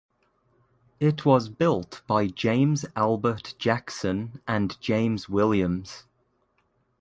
It was built by James Albert Jackson and James Williams.